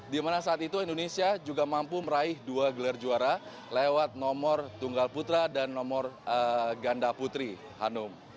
di mana saat itu indonesia juga mampu meraih dua gelar juara lewat nomor tunggal putra dan nomor ganda putri hanum